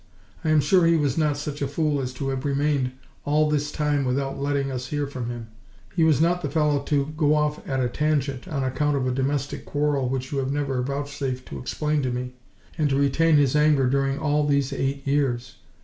I am sure he was not such a fool as to have remained all this time without letting us hear from him. He was not the fellow to go off at a tangent, on account of a domestic quarrel which you have never vouchsafed to explain to me, and to retain his anger during all these eight years!